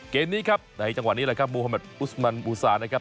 เกมนี้ครับในจังหวะนี้แหละครับมูฮาแมทอุสมันบูซานะครับ